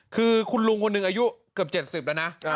คือคุณลุงคนหนึ่งอายุเกือบ๗๐แล้วนะ